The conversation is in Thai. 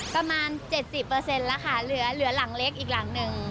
ประมาณ๗๐แล้วค่ะเหลือหลังเล็กอีกหลังหนึ่ง